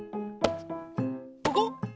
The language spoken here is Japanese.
ここ？